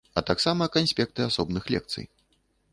А таксама канспекты асобных лекцый.